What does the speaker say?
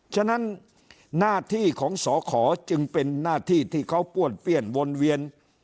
ฉะนั้นหน้าที่ของสอขอจึงเป็นหน้าที่ที่เขาป้วนเปี้ยนวนเวียน